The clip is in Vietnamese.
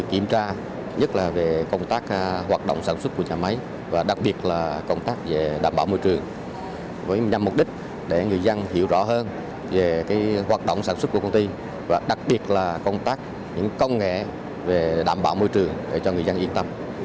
kiểm tra nhất là về công tác hoạt động sản xuất của nhà máy và đặc biệt là công tác về đảm bảo môi trường với nhằm mục đích để người dân hiểu rõ hơn về hoạt động sản xuất của công ty và đặc biệt là công tác những công nghệ về đảm bảo môi trường để cho người dân yên tâm